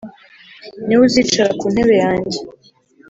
ni we uzicara ku ntebe yanjye